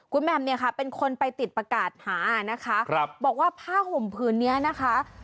คุณแหม่มเนี่ยค่ะเป็นคนไปติดประกาศหานะคะบอกว่าผ้าห่มผืนนี้นะคะ